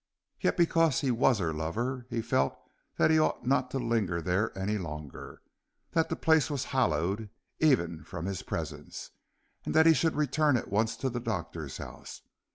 Yet because he was her lover he felt that he ought not to linger there any longer; that the place was hallowed even from his presence, and that he should return at once to the doctor's house.